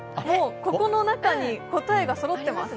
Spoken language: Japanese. ここの中に答えがそろってます。